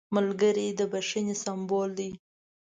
ملګری د بښنې سمبول دی